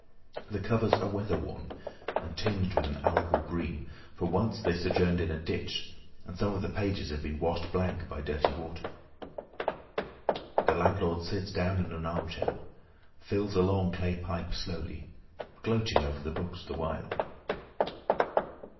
The covers are weather worn and tinged with an algal green—for once they sojourned in a ditch and some of the pages have been washed blank by dirty water. The landlord sits down in an armchair, fills a long clay pipe slowly—gloating over the books the while.